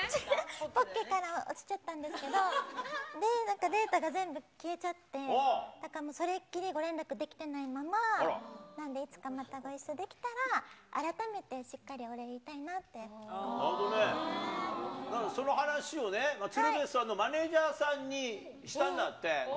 ポッケから落ちてしまったですけど、なんかデータが全部消えちゃって、だからもう、それっきりご連絡できてないままなんで、なんでいつかまたご一緒できたら、改めてしっかりお礼言いたいなっなんかその話をね、鶴瓶さんのマネージャーさんにしたんだって。